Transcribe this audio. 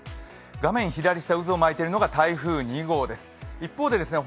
画面左下、渦を巻いているのが台風２号です。